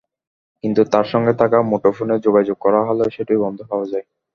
কিন্তু তাঁর সঙ্গে থাকা মুঠোফোনে যোগাযোগ করা হলে সেটিও বন্ধ পাওয়া যায়।